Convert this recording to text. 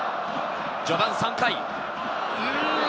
序盤３回。